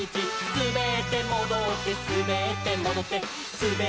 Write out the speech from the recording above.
「すべってもどってすべってもどって」